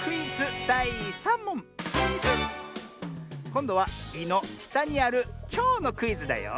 こんどは「い」のしたにあるちょうのクイズだよ。